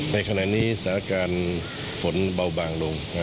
ในขณะนี้สถานการณ์ฝนเบาบางลง